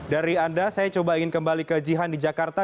dari anda saya coba ingin kembali ke jihan di jakarta